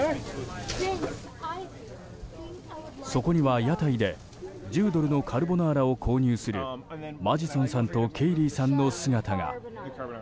そこには屋台で、１０ドルのカルボナーラを購入するマジソンさんとケイリーさんの姿が。